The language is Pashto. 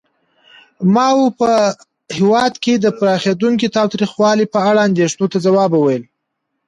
ماوو په هېواد کې د پراخېدونکي تاوتریخوالي په اړه اندېښنو ته ځواب وویل.